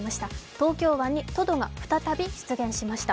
東京湾にトドが再び出現しました。